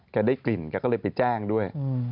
ได้กลิ่นแกก็เลยไปแจ้งด้วย